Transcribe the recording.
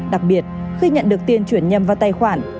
đặc biệt khi nhận được tiền chuyển nhầm vào tài khoản